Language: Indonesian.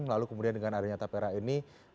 lalu kemudian dengan adanya tapera ini